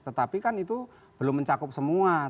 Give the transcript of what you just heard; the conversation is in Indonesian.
tetapi kan itu belum mencakup semua